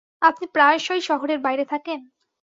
আপনি প্রায়শই শহরের বাইরে থাকেন?